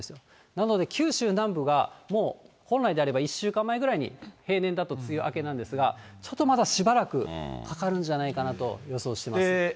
なので、九州南部は、もう本来であれば、１週間前ぐらいに平年だと梅雨明けなんですが、ちょっとまだしばらくかかるんじゃないかなと予想してます。